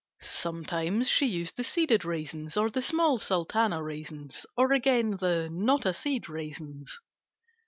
Sometimes she used the seeded raisins or the small sultana raisins, or again the "Not a seed" raisins.